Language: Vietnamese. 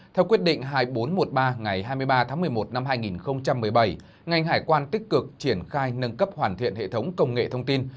theo quyết định hai nghìn bốn trăm một mươi ba ngày hai mươi ba tháng một mươi một năm hai nghìn một mươi bảy ngành hải quan tích cực triển khai nâng cấp hoàn thiện hệ thống công nghệ thông tin